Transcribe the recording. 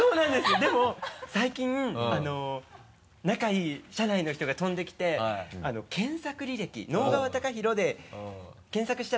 でも最近仲いい社内の人が飛んできて検索履歴「直川貴博」で検索したら。